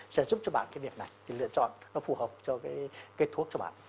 sẽ giúp cho bạn cái việc này lựa chọn nó phù hợp cho cái kết thuốc cho bạn